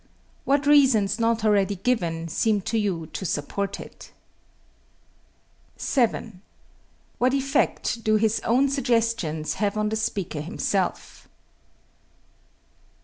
What reasons not already given seem to you to support it? 7. What effect do his own suggestions have on the speaker himself?